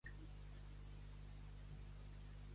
Quan s'acaba el migjorn el dimoni diu: «Déu faci que no torn».